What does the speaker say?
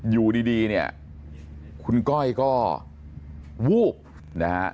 อยู่ดีเนี่ยคุณก้อยก็วูบนะฮะ